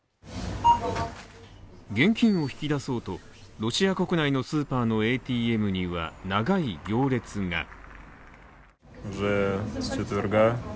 現金を引き出そうとロシア国内のスーパーのＡＴＭには長い行列が。